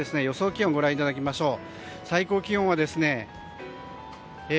気温をご覧いただきましょう。